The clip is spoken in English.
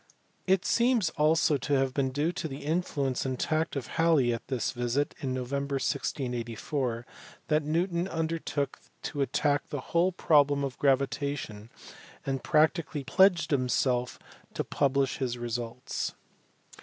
It seems also to have been due to the influence and tact of Halley at this visit in November, 1684, that Newton under took to attack the whole problem of gravitation, and practically pledged himself to publish his results.